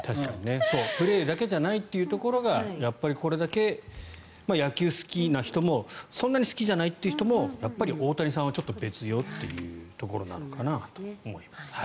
プレーだけじゃないというところがやっぱりこれだけ野球好きな人もそんなに好きじゃないという人もやっぱり大谷さんはちょっと別よっていうところなのかなと思います。